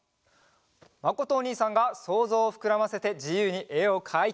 まことおにいさんがそうぞうをふくらませてじゆうにえをかいてみるよ！